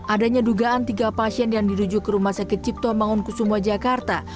adanya dugaan tiga pasien yang dirujuk ke rumah sakit cipto mangunkusumo jakarta